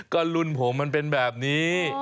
ก็รุ่นผมมันเป็นแบบนี้